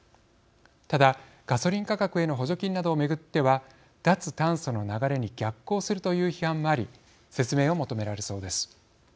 ただ、ガソリン価格への補助金などを巡っては脱炭素の流れに逆行するという批判もあり説明を求められそうです。